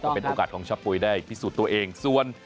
เป็นโอกาสของชะปุ๋ยได้พิสูจน์ตัวเองส่วน